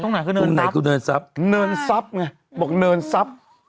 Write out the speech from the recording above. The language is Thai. ตรงไหนคือเนินซับตรงไหนคือเนินซับเนินซับไงบอกเนินซับ